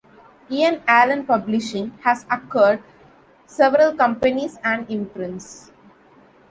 Ian Allan Publishing has acquired several companies and imprints.